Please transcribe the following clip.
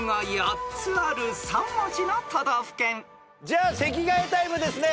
じゃあ席替えタイムですね。